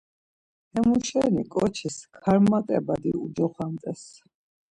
Hemuşeni ǩoçis Karmat̆e badi ucoxamt̆es.